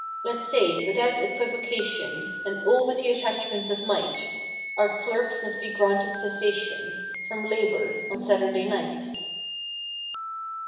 Let's say, without equivocation, And all with the attachments of might. Our clerks must be granted cessation From labor on Saturday night.